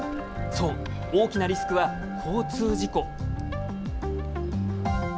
そう、大きなリスクは交通事故。